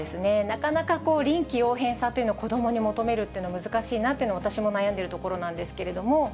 なかなか臨機応変さというのを子どもに求めるというのは難しいなというの、私も悩んでいるところなんですけれども。